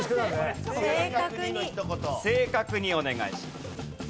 正確にお願いします。